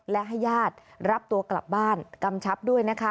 และให้ญาติรับตัวกลับบ้านกำชับด้วยนะคะ